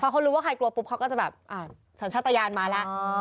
พอเขารู้ว่าใครกลัวปุ๊บเค้าก็จะก็ต้องไหล่